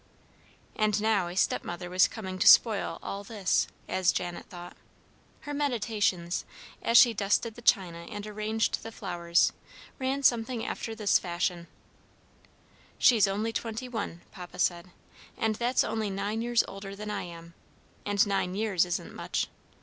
And now a stepmother was coming to spoil all this, as Janet thought. Her meditations, as she dusted the china and arranged the flowers, ran something after this fashion: "She's only twenty one, Papa said, and that's only nine years older than I am, and nine years isn't much.